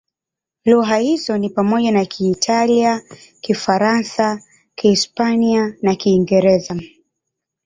Lugha hizo ni pamoja na Kiitalia, Kifaransa, Kihispania na Kiingereza.